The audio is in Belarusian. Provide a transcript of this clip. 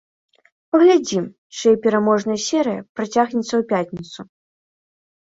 Паглядзім, чыя пераможная серыя працягнецца ў пятніцу.